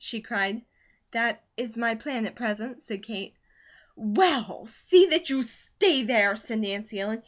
she cried. "That is my plan at present," said Kate. "Well, see that YOU STAY THERE," said Nancy Ellen.